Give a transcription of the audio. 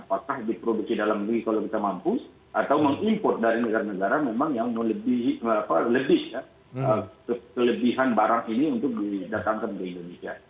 apakah diproduksi dalam negeri kalau kita mampu atau mengimport dari negara negara memang yang lebih kelebihan barang ini untuk didatangkan ke indonesia